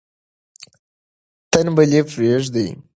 تنبلي پریږدئ.